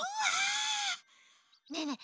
ねえねえ